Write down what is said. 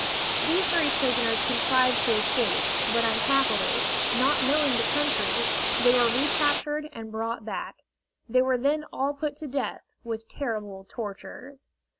These three prisoners contrived to escape, but unhappily, not knowing the country, they were recaptured and brought back. They were then all put to death, with terrible tortures.